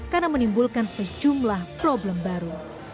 karena menimbulkan sejumlah problem baru